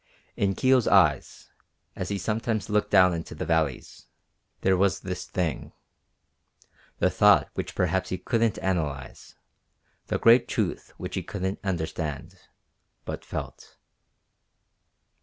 In Kio's eyes, as he sometimes looked down into the valleys, there was this thing; the thought which perhaps he couldn't analyze, the great truth which he couldn't understand, but felt.